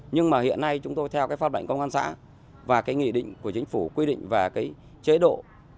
nhưng mà hiện nay chúng tôi theo pháp lệnh công an xã và nghị định của chính phủ quy định và chế độ